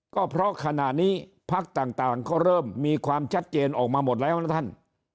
ก็เพราะขณะนี้พักต่างก็เริ่มมีความชัดเจนออกมาหมดแล้วนะท่าน